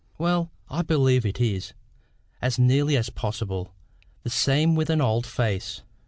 Well, I believe it is, as nearly as possible, the same with an old face.